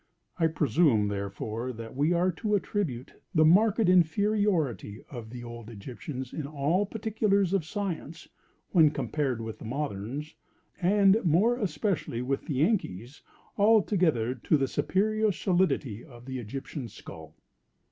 I presume, therefore, that we are to attribute the marked inferiority of the old Egyptians in all particulars of science, when compared with the moderns, and more especially with the Yankees, altogether to the superior solidity of the Egyptian skull."